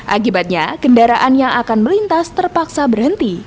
akibatnya kendaraan yang akan melintas terpaksa berhenti